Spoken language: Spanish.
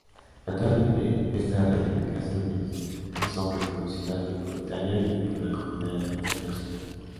Naturalmente, estas reivindicaciones no son reconocidas ni por Italia ni por la comunidad internacional.